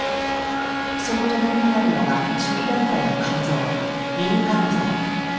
その隣にあるのが初期段階の肝臓「ミニ肝臓」。